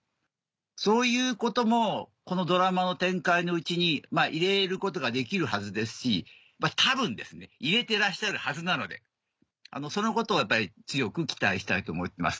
そういうこともこのドラマの展開の内に入れることができるはずですし多分ですね入れてらっしゃるはずなのでそのことをやっぱり強く期待したいと思ってます。